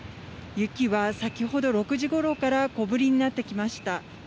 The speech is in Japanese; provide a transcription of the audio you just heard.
雪は先ほど６時ごろから小降りになってきました。